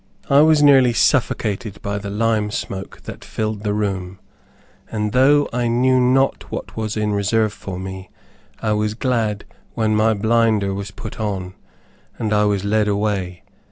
I was nearly suffocated by the lime smoke that filled the room, and though I knew not what was in reserve for me, I was glad when my blinder was put on, and I was led away.